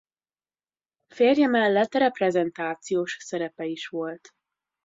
Férje mellett reprezentációs szerepe is volt.